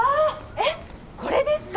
えっこれですか？